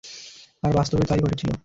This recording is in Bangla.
আর বাস্তবেও তাই ঘটেছিল।